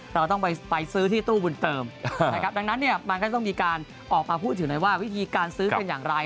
เราต้องไปซื้อที่ตู้บุญเติมนะครับดังนั้นเนี่ยมันก็ต้องมีการออกมาพูดถึงหน่อยว่าวิธีการซื้อเป็นอย่างไร